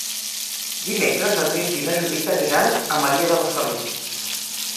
Dimecres en Mirt i na Judit aniran a Maria de la Salut.